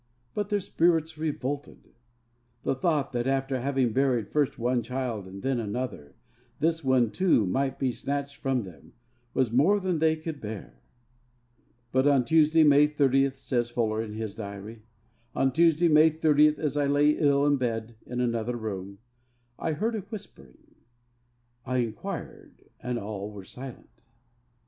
But their spirits revolted. The thought that, after having buried first one child and then another, this one too might be snatched from them was more than they could bear. But, 'on Tuesday, May 30,' says Fuller in his diary, 'on Tuesday, May 30, as I lay ill in bed in another room, I heard a whispering. I inquired, and all were silent!